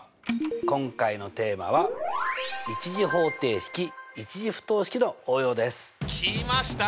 今回のテーマはきました！